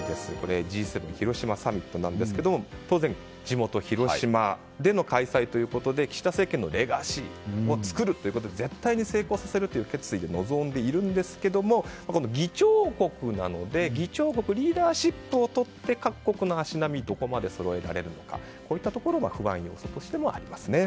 Ｇ７広島サミットですが当然地元・広島の開催ということで岸田政権のレガシーを作るということで絶対に成功させるという決意で臨んでいるんですけれども議長国なので議長国としてのリーダーシップをとって各国の足並みがどこまでそろえられるかこういったところが不安要素としてありますね。